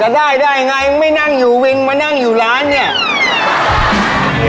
ได้ยังง่ายไม่นั่งอยู่วินค์วันนั่งอยู่ร้านนี่